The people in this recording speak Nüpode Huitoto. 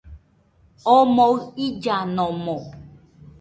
Omoɨ illanomo